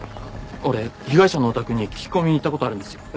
俺被害者のお宅に聞き込みに行った事あるんですよ。